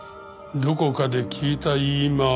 どこかで聞いた言い回し。